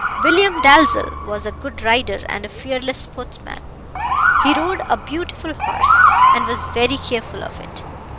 William Dalzell was a good rider and a fearless sportsman; he rode a beautiful horse, and was very careful of it.